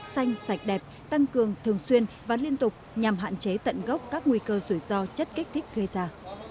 xanh sạch đẹp tăng cường thường xuyên và liên tục nhằm hạn chế tận gốc các nguy cơ rủi ro chất kích thích gây ra